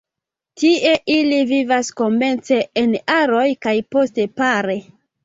Tie ili vivas komence en aroj kaj poste pare.